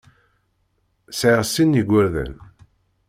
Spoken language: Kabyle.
Sɛiɣ sin n yigerdan.